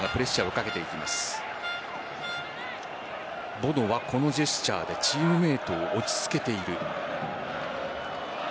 ボノはこのジェスチャーでチームメートを落ち着けている。